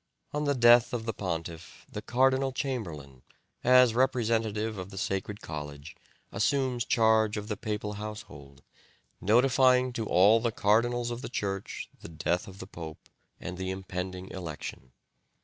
On the death of the pontiff the Cardinal Chamberlain, as representative of the Sacred College, assumes charge of the papal household, notifying to all the cardinals of the Church the death of the pope and the impending election.